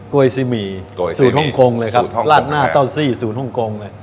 ก้วยซีมีสูตรฮ่องโกงเลยครับราดหน้าเต้าซี่สูตรฮ่องโกงเลย